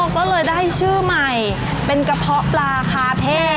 ก็เลยได้ชื่อใหม่เป็นกระเพาะปลาคาเท่